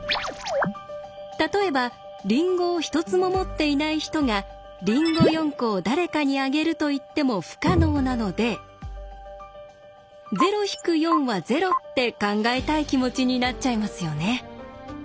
例えばりんごを一つも持っていない人が「りんご４個を誰かにあげる」と言っても不可能なのでって考えたい気持ちになっちゃいますよね。